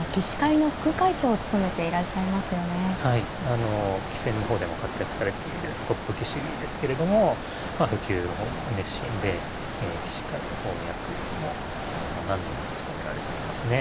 あの棋戦の方でも活躍されているトップ棋士ですけれども普及の方にも熱心で棋士会の方の役員ももう何年も務められていますね。